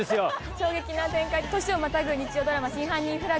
衝撃な展開年をまたぐ日曜ドラマ『真犯人フラグ』。